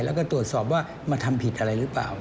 แล้วก็ตรวจสอบว่ามาทำผิดอะไรหรือเปล่า